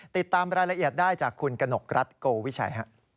ติดตามรายละเอียดได้จากคุณกนกรัฐโกวิชัย